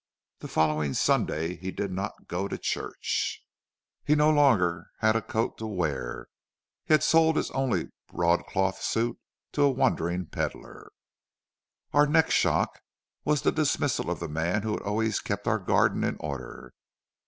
The following Sunday he did not go to church; he no longer had a coat to wear; he had sold his only broadcloth suit to a wandering pedlar. "Our next shock was the dismissal of the man who had always kept our garden in order.